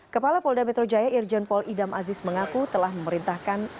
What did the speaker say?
kepala polda metro jaya irjen pol idam aziz mengaku telah memerintahkan